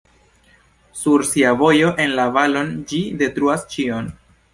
Sur sia vojo en la valon ĝi detruas ĉion.